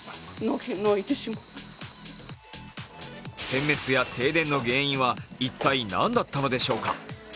点滅や停電の原因は一体何だったのでしょうか？